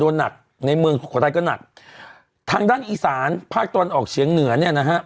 หนักในเมืองสุโขทัยก็หนักทางด้านอีสานภาคตะวันออกเฉียงเหนือเนี่ยนะฮะ